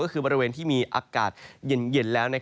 ก็คือบริเวณที่มีอากาศเย็นแล้ว